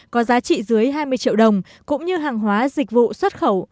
có giá trị dưới hai mươi triệu đồng cũng như hàng hóa dịch vụ xuất khẩu